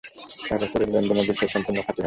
টাকা-কড়ির লেন-দেন বিষযে সম্পূর্ণ খাঁটি হও।